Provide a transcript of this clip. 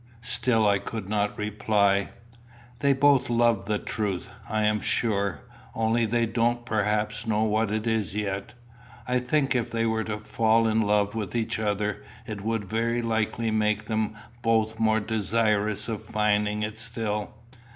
Still I could not reply. "They both love the truth, I am sure; only they don't perhaps know what it is yet. I think if they were to fall in love with each other, it would very likely make them both more desirous of finding it still."